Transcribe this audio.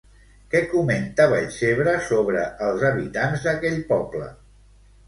Què comenta Vallcebre sobre els habitants d'aquell poble?